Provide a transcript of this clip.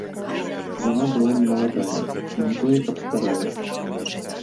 Яна была не маладая і не тое каб старая.